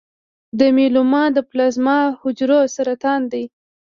د میلوما د پلازما حجرو سرطان دی.